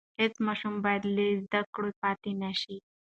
هېڅ ماشوم بايد له زده کړو پاتې نشي.